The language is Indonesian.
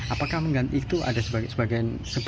apakah mengganti itu ada sebagai komponen